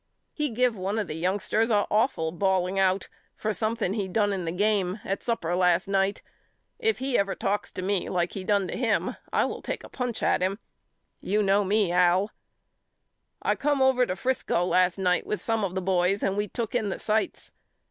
He give one of the youngsters a awful bawling out for something he done in the game at supper last night. If he ever talks to me like he done to him I will take a punch at him. You know me Al. I come over to Frisco last night with some of the boys and we took in the sights.